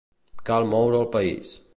Cal moure el país.